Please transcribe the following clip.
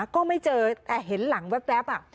ก็ไม่เจอแต่เห็นหลังแว๊บ